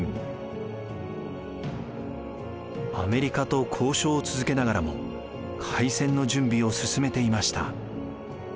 アメリカと交渉を続けながらも開戦の準備を進めていました。